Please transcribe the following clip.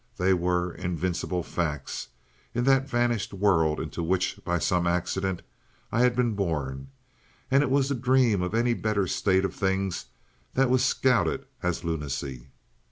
They were invincible facts in that vanished world into which, by some accident, I had been born, and it was the dream of any better state of things that was scouted as lunacy.